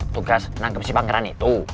tugas menangkap si pangeran itu